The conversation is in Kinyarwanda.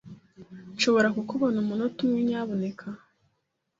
Nshobora kukubona umunota umwe gusa, nyamuneka?